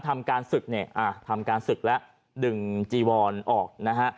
ทำการศึกเนี่ยอ่าทำการศึกแล้วดึงจีวอนออกนะฮะ